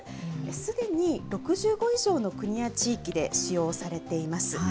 すでに６５以上の国や地域で使用されています。